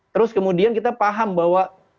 terus kemudian kita paham bahwa